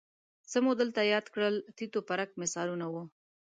څه مو دلته یاد کړل تیت و پرک مثالونه وو